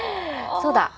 そうだ。